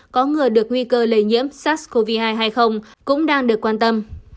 có ngừa được nguy cơ lây nhiễm sars cov hai hay không cũng đang được quan tâm